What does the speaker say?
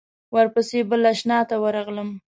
ورپسې بل آشنا ته ورغلم.